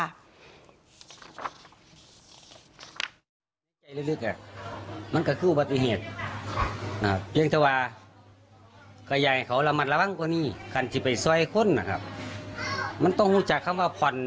ท่านบอกถึงพูดเป็นพ่อเขาเครียดอยู่เครียดแทนล่ะมันไม่ใช่อุปกรณ์หรอกชีวิตคน